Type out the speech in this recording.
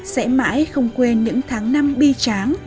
sẽ mãi không quên những tháng năm bi tráng